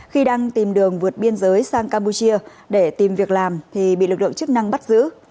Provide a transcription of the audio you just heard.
khi đang tìm đường vượt biên giới sang campuchia để tìm việc làm thì bị lực lượng chức năng bắt giữ